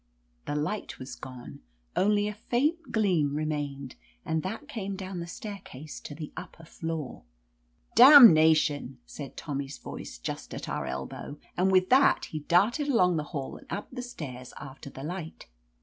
The light was gone ; only a faint gleam remained, and that came down the staircase to the upper floor. "Damnation!" said Tommy's voice, just at our elbow. And with that he darted along the hall and up the stairs, after the light.